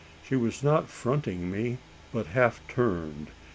She was not fronting me, but half turned.